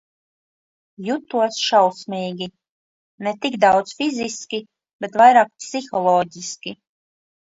Jutos šausmīgi – ne tik daudz fiziski, bet vairāk psiholoģiski.